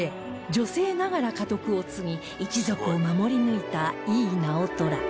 女性ながら家督を継ぎ一族を守り抜いた井伊直虎